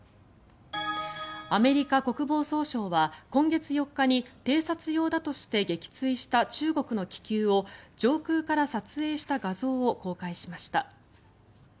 アメリカ国防総省は、今月４日に偵察用だとして撃墜した中国の気球を上空から撮影した画像を公開しました。